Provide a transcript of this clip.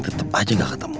tetep aja gak ketemu